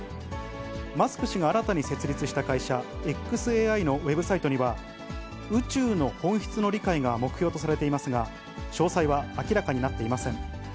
マスク氏が新たに設立した会社、ｘＡＩのウェブサイトには、宇宙の本質の理解が目標とされていますが、詳細は明らかになっていません。